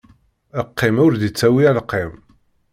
Qqim ur d-ittawi alqim.